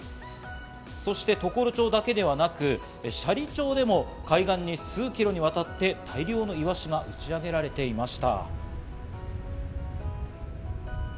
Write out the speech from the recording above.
そして常呂町だけではなく、斜里町でも海外に数キロにわたって大量のイワシが打ち上げられていました。